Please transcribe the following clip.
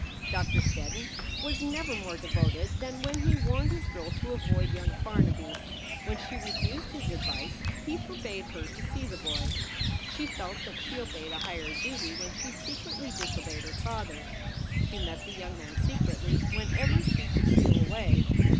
Doctor Steddon was never more devoted than when he warned his girl to avoid young Farnaby. When she re fused his advice he forbade her to see the boy. She felt that she obeyed a higher duty when she secretly dis obeyed her father. She met the young man secretly when ever she could steal away.